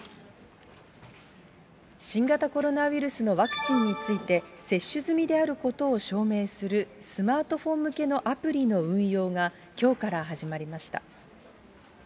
新型コロナウイルスのワクチンについて、接種済みであることを証明するスマートフォン向けのアプリの運用が、きょうから始まりました。